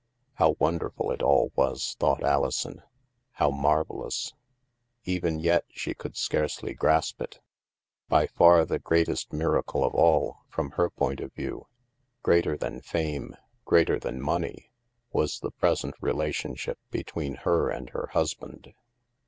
7 f How wonderful it all was, thought Alison, how marvellous ! Even yet, she could scarcely grasp it ! r By far the greatest miracle of all, from her point of view — greater than fame, greater than money — was the present relationship between her and her husband.